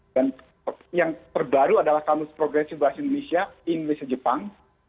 dan yang terbaru adalah kamus progresif bahasa indonesia indonesia jepang